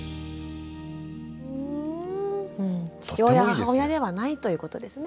父親母親ではないということですね。